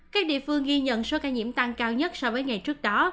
các địa phương ghi nhận số ca nhiễm tăng cao nhất so với ngày trước đó